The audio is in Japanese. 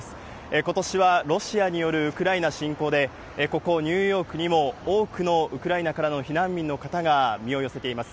ことしはロシアによるウクライナ侵攻で、ここ、ニューヨークにも多くのウクライナからの避難民の方が身を寄せています。